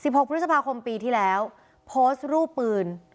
หกพฤษภาคมปีที่แล้วโพสต์รูปปืน